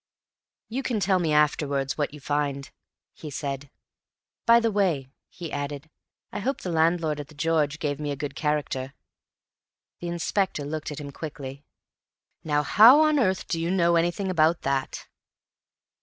"You can tell me afterwards what you find," he said. "By the way," he added, "I hope the landlord at 'The George' gave me a good character?" The Inspector looked at him quickly. "Now how on earth do you know anything about that?"